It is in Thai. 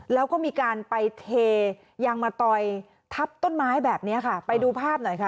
แล้วก็มีการไปเทยางมะตอยทับต้นไม้แบบนี้ค่ะไปดูภาพหน่อยค่ะ